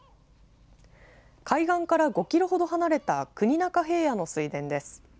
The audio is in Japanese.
海岸から５キロほど離れた国中平野の水田です。